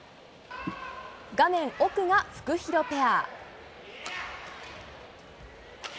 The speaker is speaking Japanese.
画面奥がフクヒロペア。